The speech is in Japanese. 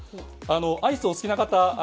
アイスをお好きな方